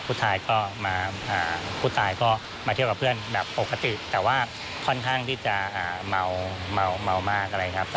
ผู้ชายก็มาผู้ตายก็มาเที่ยวกับเพื่อนแบบปกติแต่ว่าค่อนข้างที่จะเมามากอะไรครับ